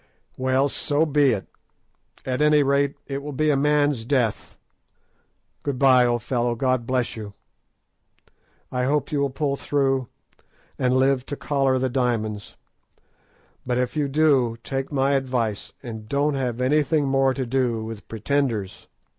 Well, so be it; at any rate, it will be a man's death. Good bye, old fellow. God bless you! I hope you will pull through and live to collar the diamonds; but if you do, take my advice and don't have anything more to do with Pretenders!"